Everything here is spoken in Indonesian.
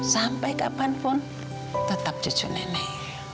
sampai kapanpun tetap cucu nenek